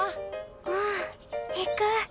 うん行く。